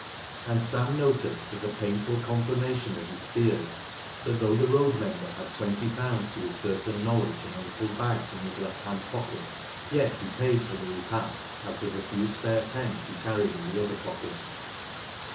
And Sam noticed, as a painful confirmation of his fears, that though the road mender had twenty pounds to his certain knowledge in a little bag in his left hand pocket, yet he paid for the repast out of the few spare pence he carried in the other pocket.